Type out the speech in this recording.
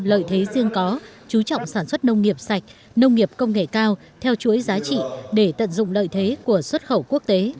lợi thế riêng có chú trọng sản xuất nông nghiệp sạch nông nghiệp công nghệ cao theo chuỗi giá trị để tận dụng lợi thế của xuất khẩu quốc tế